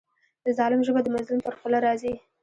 د ظالم ژبه د مظلوم پر خوله راځي.